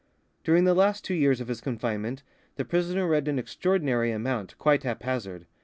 During the last two years of his confinement the prisoner read an extraordinary amount, quite haphazard.